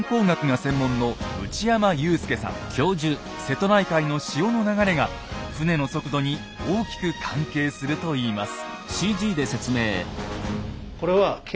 瀬戸内海の潮の流れが船の速度に大きく関係するといいます。